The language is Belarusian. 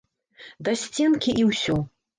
Да сценкі, і ўсё!